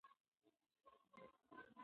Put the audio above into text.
د چای پاڼو پروسس کافین اغېزمنوي.